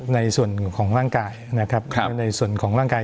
ในส่วนของร่างกายนะครับในส่วนของร่างกาย